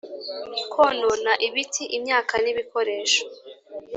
konona ibiti imyaka n ibikoresho